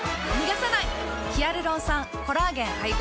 ヒアルロン酸・コラーゲン配合。